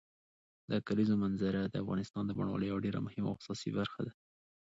د کلیزو منظره د افغانستان د بڼوالۍ یوه ډېره مهمه او اساسي برخه ده.